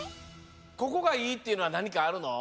ここがいいっていうのはなにかあるの？